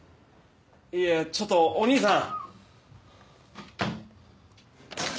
いやちょっとお義兄さん。